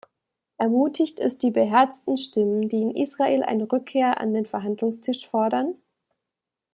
Ermutigt es die beherzten Stimmen, die in Israel eine Rückkehr an den Verhandlungstisch fordern?